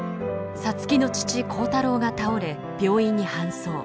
皐月の父耕太郎が倒れ病院に搬送。